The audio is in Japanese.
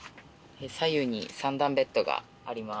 左右に３段ベッドがあります。